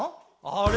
あれ？